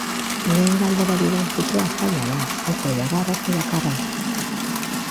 Lehen galderari erantzutea zaila da, ez baitago arrazoi bakarra.